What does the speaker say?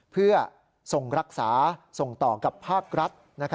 เพื่อส่งรักษาส่งต่อกับภาครัฐ